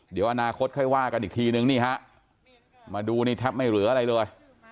เดี๋ยวอนาคตค่อยว่ากันอีกทีนึงนี่ฮะมาดูนี่แทบไม่เหลืออะไรเลย